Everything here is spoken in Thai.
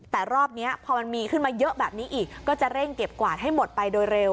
แต่รอบนี้พอมันมีขึ้นมาเยอะแบบนี้อีกก็จะเร่งเก็บกวาดให้หมดไปโดยเร็ว